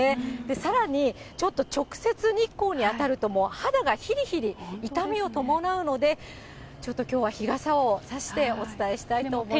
さらにちょっと直接日光に当たると、もう肌がひりひり痛みを伴うので、ちょっときょうは日傘を差してお伝えしたいと思います。